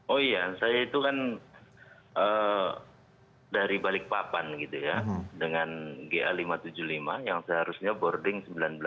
oh iya saya itu kan dari balikpapan gitu ya dengan ga lima ratus tujuh puluh lima yang seharusnya boarding sembilan belas